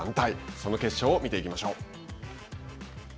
その決勝を見ていきましょう。